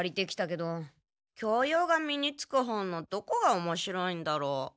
教養が身につく本のどこがおもしろいんだろう？